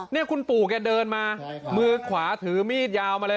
นี่คุณปู่แกเดินมามือขวาถือมีดยาวมาเลย